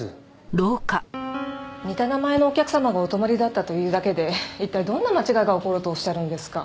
似た名前のお客様がお泊まりだったというだけで一体どんな間違いが起こるとおっしゃるんですか？